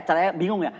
caranya bingung ya